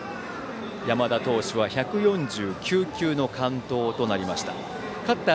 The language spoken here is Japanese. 山田投手は１４９球の完投となりました。